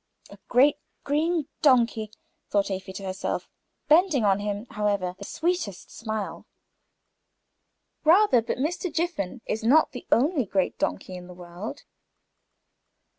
"A great green donkey!" thought Afy to herself, bending on him, however the sweetest smile. Rather. But Mr. Jiffin is not the only great donkey in the world.